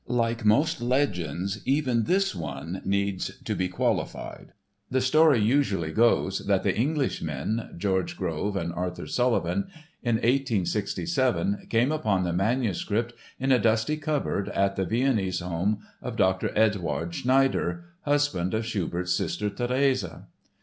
Like most legends even this one needs to be qualified. The story usually goes that the Englishmen, George Grove and Arthur Sullivan, in 1867 came upon the manuscript in a dusty cupboard at the Viennese home of Dr. Eduard Schneider, husband of Schubert's sister, Therese.